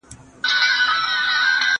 زه واښه نه راوړم!